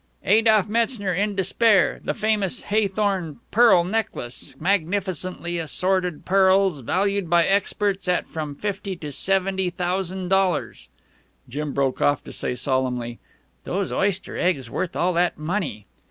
"Adolph Metzner in despair the famous Haythorne pearl necklace magnificently assorted pearls valued by experts at from fifty to seventy thousan' dollars." Jim broke off to say solemnly, "Those oyster eggs worth all that money!"